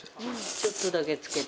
ちょっとだけつけて。